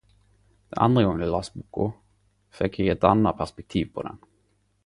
Den andre gongen eg las boka fekk eg eit anna perspektiv på den.